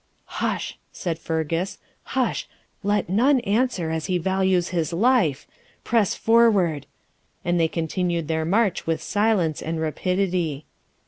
'Hush!' cried Fergus, 'hush! let none answer, as he values his life; press forward'; and they continued their march with silence and rapidity.